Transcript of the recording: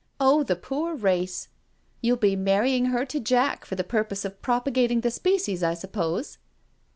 Oh, the poor race I You'll be marrying her to Jack for the purpose of propagating the species, I suppose."